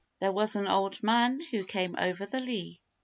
THERE WAS AN OLD MAN CAME OVER THE LEA.